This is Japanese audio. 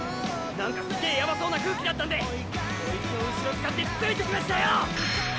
なんかすげえやばそうな空気だったんでこいつの後ろ使ってついてきましたよ！